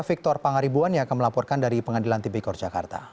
victor pangaribuan yang akan melaporkan dari pengadilan tipikor jakarta